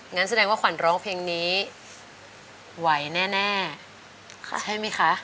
งั้นแสดงว่าขวัญร้องเพลงนี้ไหวแน่ใช่ไหมคะ